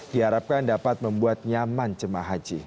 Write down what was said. diharapkan dapat membuat nyaman jemaah haji